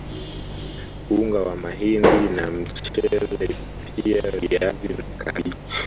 Unga wa mahindi na mchele pia viazi na kabichi